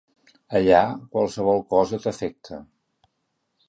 Allà, qualsevol cosa t’afecta.